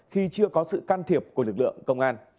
khi chưa có sự can thiệp của lực lượng công an